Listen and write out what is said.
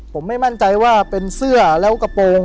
ผมไม่มั่นใจว่าเป็นเสื้อแล้วกระโปรง